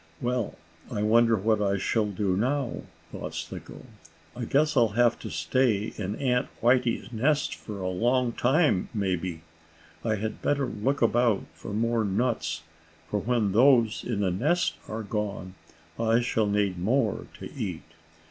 "Well, I wonder what I shall do now," thought Slicko. "I guess I'll have to stay in Aunt Whitey's nest for a long time, maybe. I had better look about for more nuts, for when those in the nest are gone, I shall need more to eat.